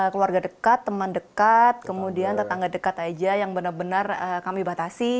keluarga dekat teman dekat kemudian tetangga dekat aja yang benar benar kami batasi